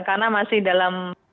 karena masih dalam